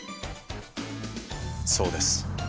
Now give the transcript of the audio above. そうです。